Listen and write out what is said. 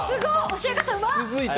教え方うま！